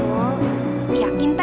oh yakin t